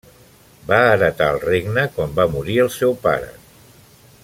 Va heretar el regne quan va morir el seu pare.